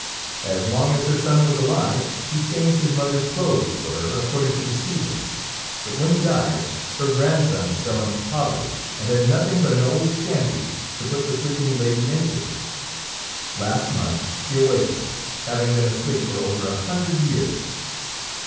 As long as her son was alive he changed his mother's clothes for her according to the seasons, but when he died, her grandsons fell into poverty, and had nothing but an old shanty to put the sleeping lady into. Last month she awaked, having been asleep for over a hundred years.